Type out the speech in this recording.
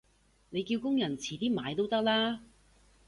你叫工人遲啲買都得啦